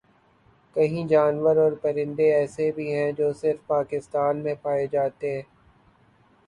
کہیں جانور اور پرندے ایسے بھی ہیں جو صرف پاکستان میں پائے جاتے